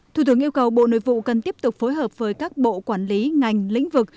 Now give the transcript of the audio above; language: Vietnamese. thủ tướng yêu cầu bộ nội vụ cần tiếp tục phối hợp với các bộ quản lý ngành lĩnh vực